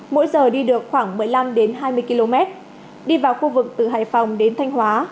mỗi giờ đi được khoảng một mươi năm hai mươi km đi vào khu vực từ hải phòng đến thanh hóa